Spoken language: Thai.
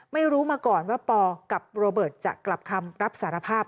ไม่รู้มาก่อนว่าปอกับโรเบิร์ตจะกลับคำรับสารภาพ